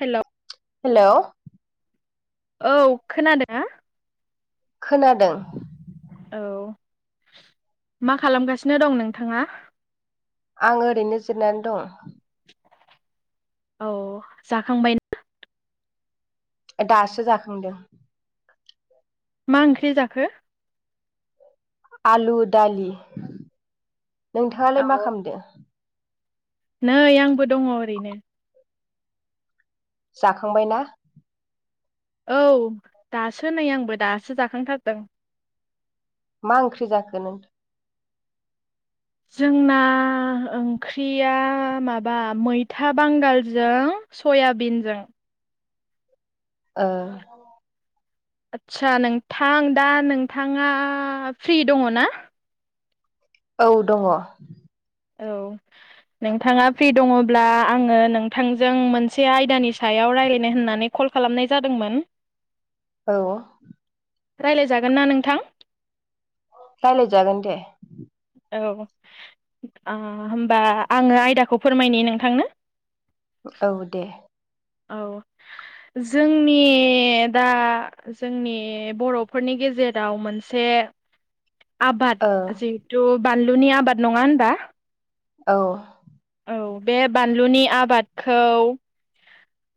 हेल'। Hello. औ खोनादोना? खोनादों। औ मा खालामगासिनो दं नोंथाङा? आं ओरैनो जिरनानै दं। औ जाखांबायन ऐ दासो जाखांदों। मा ओंख्रि जाखो? आलु-दालि। नोंथाङालाय मा औ खालामदो? नै आंबो दङ' ओरैनो। जाखांबाय ना? औ, दासो नै आंबो दासो जाखांथारदों। मा ओंख्रि जाखो नो? जोंना ओंख्रिया माबा मैथा बांगालजों सयाबिनजों। ओ। आदसा नोंथां दा नोंथाङा फ्रि दङ ना? औ दङ। औ नोंथाङा फ्रि दङ'ब्ला आङो नोंथांजों मोनसे आयदानि सायाव रायलायनो होननानै कल खालामनाय जादोंमोन। औ रायलायजागोन ना नोंथां? रायलाय जागोन दे। औ आ होमबा आङो आयदाखौ फोरमायनि नोंथांनो। औ दे। औ जोंनि दा जोंनि बर'फोरनि गेजेराव मोनसे आबाद ओ जिहेथु बानलुनि आबाद नङा होनबा? औ औ बे बानलुनि आबादखौ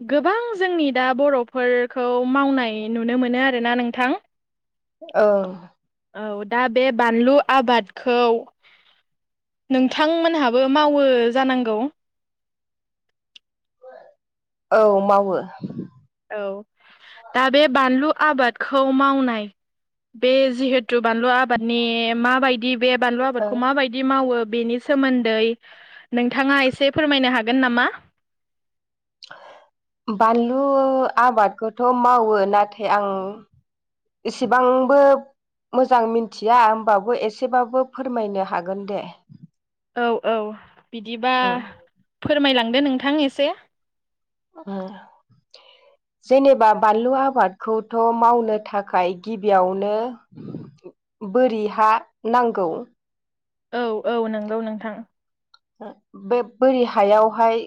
गोबां जोंनि दा बर'फोरखौ मावनाय नुनो मोनो आरोना नोंथां। [inaudible] औ औ दा बे बानलु आबादखौ। नोंथां मोनहाबो मावो जानांगौ। औ मावो। औ दा बे बानलु आबादखौ मावनाय बे जिहेथु बानलु आबादनि माबायदि बे बानलु ओ आबादखौ माबायदि दि मावो बेनि सोमोन्दै नोंथाङा एसे फोरमायनो हागोन नामा? बानलु आबादखौथ' मावो नाथाय आं इसेबांबो मोजां मिथिया होमबाबो एसेबाबो फोरमायनो हागोन दे। औ औ बिदिबा उम फोरमायलांदो नोंथां एसे। आ जेनेबा बानलु आबादखौथ' मावनो थाखाय गिबियावनो [inaudible] बोरि हा नांगौ। औ औ नोंगौ नोंथां। बे बोरि हायावहाय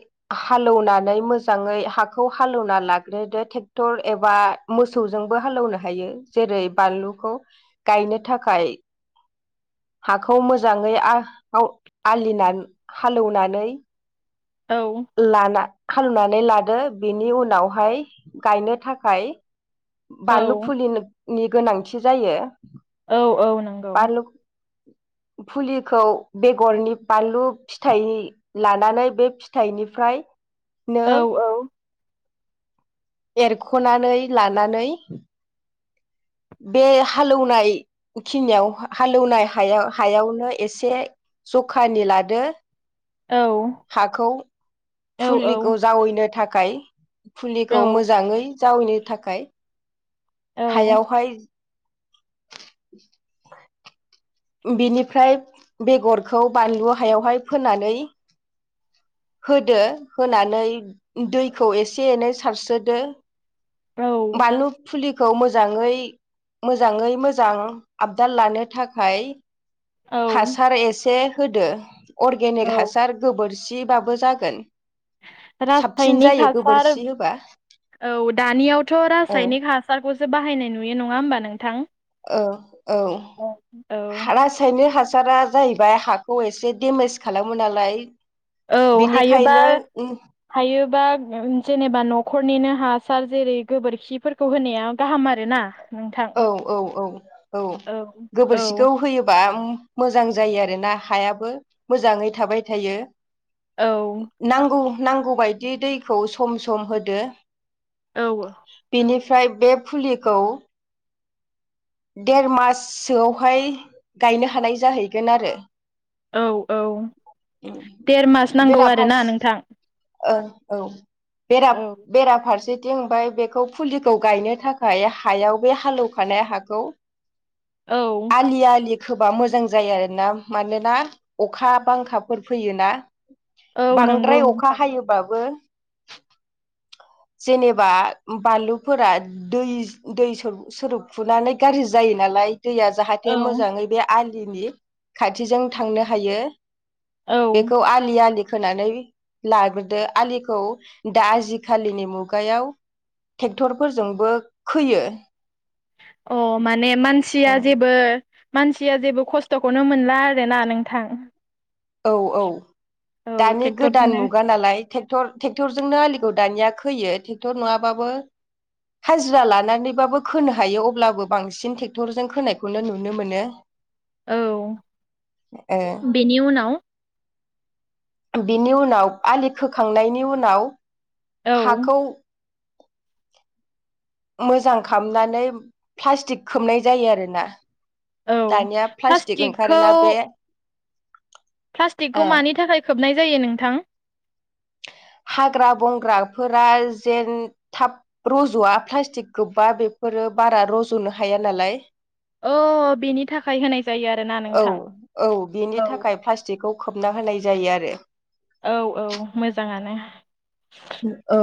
हालौनानै मोजाङै हाखौ हालौना लाग्रोदो ट्रेक्टर एबा मोसौजोंबो हालौनो हायो जेरै बानलुखौ गायनो थाखाय हाखौ मोजाङै आ [unintelligible] हालौनानै औ लाना खालामनानै लादो बेनि उनावहाय गायनो थाखाय बालु औ फुलिनो नि गोनांथि जायो। औ औ नोंगौ। बानलु फुलिखौ बेगरनि बानलु फिथाइ लानानै बे फि थाइनिफ्राय नो औ औ एरख'नानै लानानै बे हालौनाय खिनियाव हालौनाय हायाव हायावनो एसे जखानि लादो औ औ हाखौ औ फुलिखौ जावैनो थाखाय फुलिखौ मोजांङै जावैनो थाखाय। औ हायाव हाय बिनिफ्राय बेगरखौ बानलु हायावहाय फोनानै होदो होनानै दैखौ एसे एनै सारसोदो। औ बानलु फुलि खौ मोजांयै मोजांयै मोजां आबदाल लानो थाखाय औ हासार एसे होदो अरगेनिक औ हासार गोबोरसिबाबो जागोन साबसिन रासायनिक जायो हासार गोबोरखि होबा औ दानियावथ' औ रासायनिक हास सारखौसो बाहायनाय नुयो नङा होमबा नोंथां। औ औ औ रासायनिक हासारा जाहैबाय हाखौ एसे देमेज खालामो नालाय औ हायोबा बेनिखायनो औ हायोबा उम जेनेबा नखरनिनो हासार जेरै गोबोरखिफोरखौ होनाया गाहाम आर ना। औ औ औ औ औ गोबोरसिखौ होयोबाउम मोजां जायो आरो ना हायाबो मोजाङै थाबाय थायो। औ। नांगौ नांगौ बायायदि दैखौ सम सम होदो। औ बिनिफ्राय बे फुलिखौ देर माससोआवहाय गायनो हानाय जाहैगोन आरो। औ औ देर मास नांगौ आरोना बेराफारस नोंथां ओं औ बेरा औ बेराफारसे दि ओमफाय बेखौ फुलिखौ गायनो थाखाय हायाव बे हालेवखानाय हाखौ औ। आलि आलि खोबा मोजां जायो आरोना मानोना अखा बांखाफोर फैयोना। औ नंगौ बांद्राय अखा नोंथां हायोबाबो जेनेबा बानलुफोरा दै दै सो सोरोब फुनानै गाज्रि जायो नालाय दैया जाहाथे औ मोजाङै बे आलिनि खाथिजों थांनो हायो। औ बेखौ आलि आलि खोनानै लाग्रोदो आलिखौ दा जि खालिनि मुगायाव ट्रेक्टरफोरजोंबो खोयो। अ माने मानसिया जेबो मानसिया जेबो खस्थ'खौनो मोनला आरो ना नोंथां। औ औ औ दानि गोदान ट्रेक्टरजोंनो मुगा नालाय। ट्रेक्टर ट्रेक्टरजोंनो आलिखौ दानिया खोयो ट्रेक्टर नङा बाबो हाजिरा लानानैबाबो खोनो हायो अब्लाबो बांसिन ट्रेक्टरजों खोनायखौनो नुनो मोनो। औ ओ बेनि उनाव बिनि उनाव आलि खोखांनायनि उनाव औ हाखौ [inaudible] मोजां खालामनानै प्लास्टिक खोबनाय जायो आरोना औ दानिया बे प्लाटिक प्लास्टिकखौ ओंखारोना बे प्लास्टिकखौ ओ मानि थाखाय खोबनाय जायो नोंथां हाग्रा बंग्राफोरा जेन थाब रज'आ प्लास्टिक गोखबा बेफोरो बारा रज'नो हाया नालाय अ बेनि थाखाय होनाय जायो आरोना औ नोंथां औ बेनि औ थाखाय प्लास जेखौ खोबना होनाय जायो आरो। औ औ मोजाङानो। ओ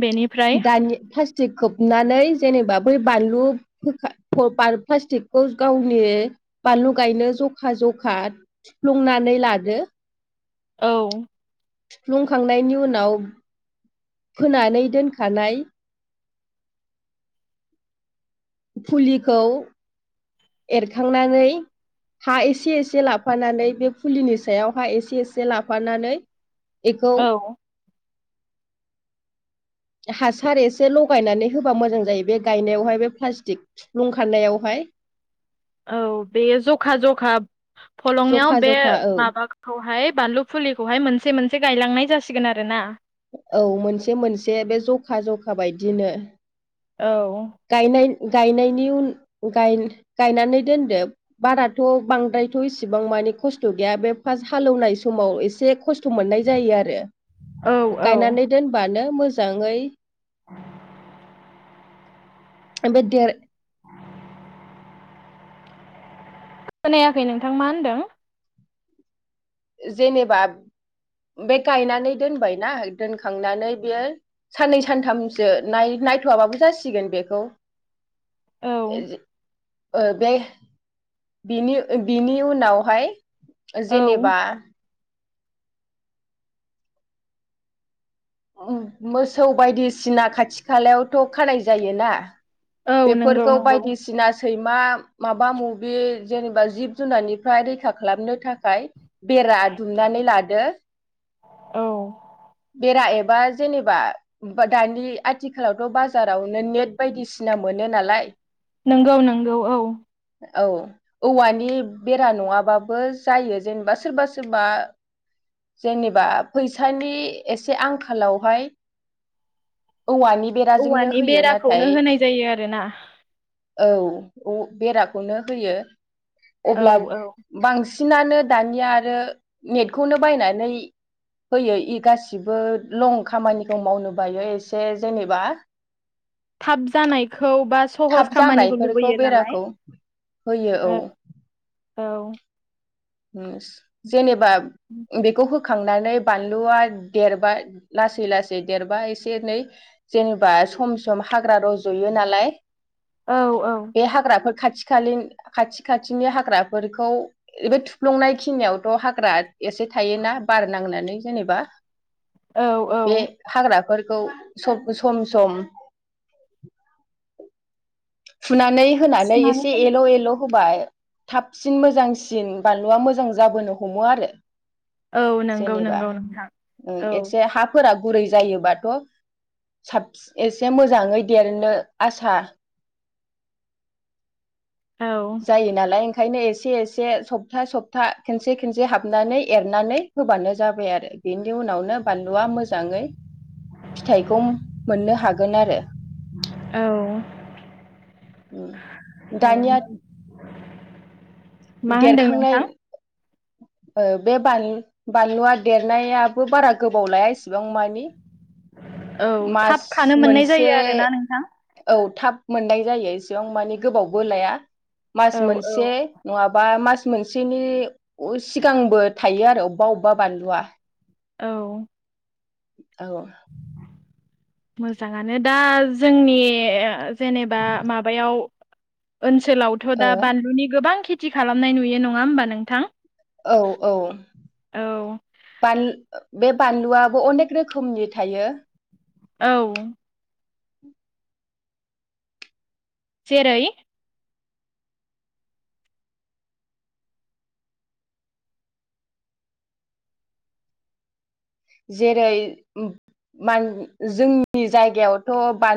बेनिफ्राय दानि प्लास थिख खोबनानै जेनेबा बै बानलु खा प्लास्टिकखौ गावनि बानलु गायनो जखा जखा सुफ्लुंनानै लादो। औ। प्लुंखांनायनि उनाव फोनानै दोनखानाय फुलिखौ एरखांनानै हा एसे एसे लाफानानै बे फुलिनि सायाव हा एसे एसे लाफानानै ऐखौ। औ हासार एसे लगायनानै होबा मोजां जायो बे गायनायावहाय बे प्लास्टिक सुफ्लुं खनायावहाय। औ बेयो जखा जखा फलंनिाव जखा बे जखा औ माबाख खौहाय बानलु फुलिखौहाय मोनसे मोनसे गायलांनाय जासिगोन आरो ना। औ मोनसे मोनसे बे जखा जखा बायदिनो। औ। गायनायन गायनायनि उन गाय गायनानै दोनदो। बाराथ' बांद्रायथ' इसिबां माने खस्थ' गैया बे फार्स्ट हालेवनाय समाव एसे खस थ मोननाय जायो आरो औ औ गायनानै दोनबानो मोजाङै [inaudible] ओमफादेर खोनायाखै नोंथां मा होन्दों। जेनेबा बे गायनानै दोनबायना दोनखांनानै बेयो साननै सानथामसो नाय नायथ'आाबाबो जासिगोन बेखौ। औ ओ बे बिनि बिनि उनावहाय औ जेनेबा मोसौ बायदिसिना खाथि खालायावथ' खानाय जायोना। औ नंगौ बेफोरखौ नंगौ बायदिसिना सैमा माबा मबि जेनेबा जिब जुनारनिफ्राय रैखा खालामनो थाखाय बेरा दुमनानै लादो। औ। बेरा एबा जेनेबा बा दानि आथिखालावथ' बाजारावनो नेट बायदिसिना मोनो नालाय। नंगौ नंगौ औ। औ। औवानि बेरा नङाबाबो जायो जेनेबा सोरबा सोरबा जेनेबा फैसानि एसे आंखालावहाय औवानि बेराजोंनो औवानि होयो बेराखौनो नाथाय होनाय जायो आरोना औ उ बेराखौनो होयो औ अब्ला औ बांसिनानो दानिया आरो नेटखौनो बायनानै पोयो इ गासिबो लं खामानिखौ मावनो बायो एसे जेनेबा थाब जानायखौ बा सहस थाब खामानिखौ जानायफोरखौ लुबैयो नालाय बेराखौ होयो औ ओ। औ। उमस जेनेबा बेखौ होग खांनानै बानलुआ देरबा लासै लासै देरबाय एसे एनै। जेनेबा सम सम हाग्रा रजयो नालाय। औ औ। बे हाग्राफोर खाथि खालि खाथि खाथिनि हाग्राफोरखौ थु। थुफ्लंनाय खिनियावथ हाग्रा एसे थायोना बार नांनानै जेनेबा। औ औ। बे हाग्राफोरखौ सबबो सम सम फुनानै होनानै सुनानै एसे दोन एल एल होबाय थाबसिन मोजांसिन बानलुआ मोजां जाबोनो हमो आरो। औ नंगौ जेनेबा नंगौ नोंथां ओं औ एदसे हाफ फोरा गुरै जायोबाथ साबस एसे मोजाङै देरनो आसा औ जायो नालाय खायनो एसे एसे सप्था सप्था खेनसे खेनसे हाबनानै एरनानै होबानो जाबाय आरो। बेनि उनावनो बानलुआ मोजाङै फिथाइखौ मोननो हागोन आरो। औ दानिया औ। [inaudible] देरखांनाय। [inaudible] औ बे बालु बानलुआ देरनायाबो बारा गोबाव लाया एसिबां मानि। औ थाब मास खानो मोननाय मोनसे। जायो आरोना नोंथां औ थाब मोननाय जायो एसेबां माने गोबावबो लाया मास औ औ मोनसे। नङाबा मास मोनसेनि सिगांबो थायो आरो अबबा अबबा बानलुआ। औ। औ मोजाङानो दा जोंनि जेनेबा माबायाव ओनसोलावथ औ दा बानलुनि गोबां खिथ थि खालामनाय नुयो नङा होमबा नोंथां। औ औ। औ बानल बे बानलुआबो अनेक रोखोमनि थायो। औ। जेरै। जेरै माल जोंनि जायगायावथ बाल